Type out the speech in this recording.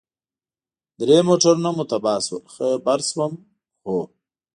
درې موټرونه مو تباه شول، خبر شوم، هو.